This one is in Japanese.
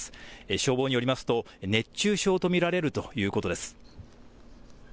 消防によりますと熱中症と見られるということです。